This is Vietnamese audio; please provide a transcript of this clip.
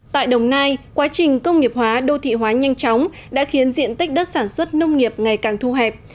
tại đồng nai quá trình công nghiệp hóa đô thị hóa nhanh chóng đã khiến diện tích đất sản xuất nông nghiệp ngày càng thu hẹp